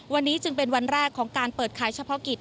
วันนี้จึงเป็นวันแรกของการเปิดขายเฉพาะกิจ